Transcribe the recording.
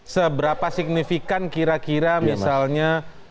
seberapa signifikan kira kira misalnya